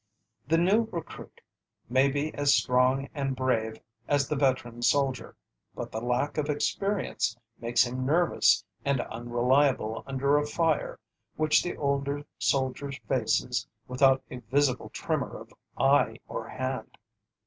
The new recruit may be as strong and brave as the veteran soldier, but the lack of experience makes him nervous and unreliable under a fire which the older soldier faces without a visible tremor of eye or hand.